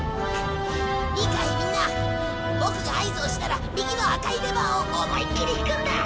いいかいみんなボクが合図をしたら右の赤いレバーを思いきり引くんだ。